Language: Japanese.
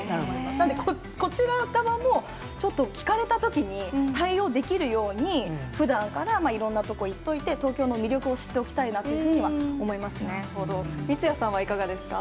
なんで、こちら側もちょっと聞かれたときに対応できるように、ふだんからいろんな所行っといて、東京の魅力を知っておきたいなと三屋さんは、いかがですか？